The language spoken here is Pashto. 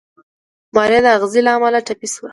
ماريا د اغزي له امله ټپي شوه.